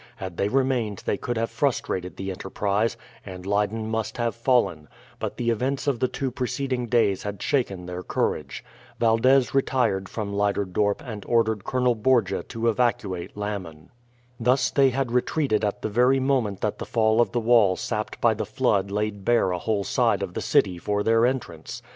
Had they remained they could have frustrated the enterprise, and Leyden must have fallen; but the events of the two preceding days had shaken their courage. Valdez retired from Leyderdorp and ordered Colonel Borgia to evacuate Lammen. Thus they had retreated at the very moment that the fall of the wall sapped by the flood laid bare a whole side of the city for their entrance.